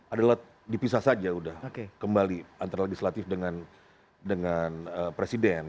adalah dipisah saja sudah kembali antara legislatif dengan presiden